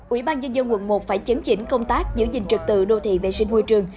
ubnd quận một phải chấn chỉnh công tác giữ gìn trực tự đô thị vệ sinh hôi trường